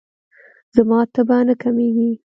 زما تبه نه کمیږي.